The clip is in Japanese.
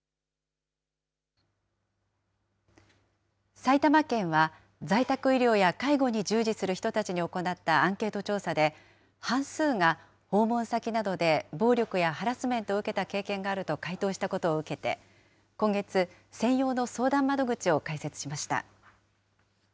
埼玉県は、在宅医療や介護に従事する人たちに行ったアンケート調査で、半数が訪問先などで暴力やハラスメントを受けた経験があると回答したことを受けて、今月、専用の相談窓口を開設しました。